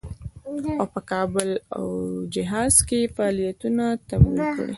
او په کابل او حجاز کې فعالیتونه تمویل کړي.